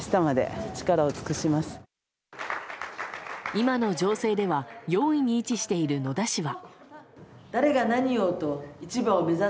今の情勢では４位に位置している野田氏は。